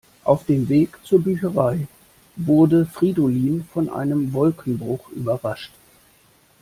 Auf dem Weg zur Bücherei wurde Fridolin von einem Wolkenbruch überrascht.